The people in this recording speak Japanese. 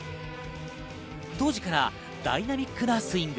当時からダイナミックなスイング。